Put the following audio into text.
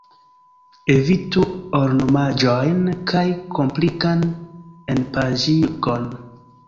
Evitu ornamaĵojn kaj komplikan enpaĝigon.